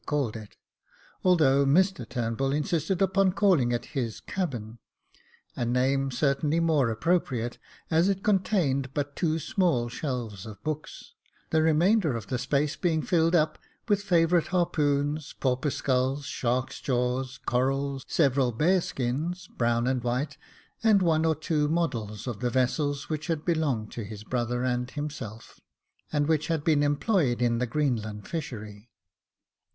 called it, although Mr Turnbull insisted upon calling it his cabin, a name certainly more appropriate, as it contained but two small shelves of books, the remainder of the space being filled up with favourite harpoons, porpoise' skulls, sharks' jaws, corals, several bears' skins, brown and white, and one or two models of the vessels which had belonged to his brother and himself, and which had been employed in the Greenland fishery.